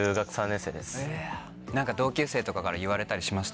何か同級生とかから言われたりしました？